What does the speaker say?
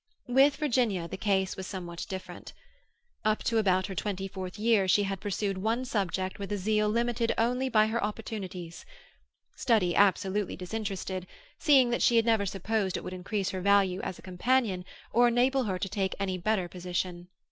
With Virginia the case was somewhat different. Up to about her twenty fourth year she had pursued one subject with a zeal limited only by her opportunities; study absolutely disinterested, seeing that she had never supposed it would increase her value as a "companion," or enable her to take any better position.